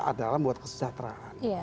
adalah buat kesejahteraan